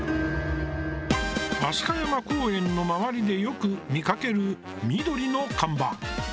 飛鳥山公園の周りでよく見かける緑の看板。